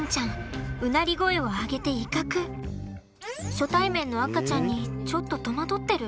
初対面の赤ちゃんにちょっと戸惑ってる？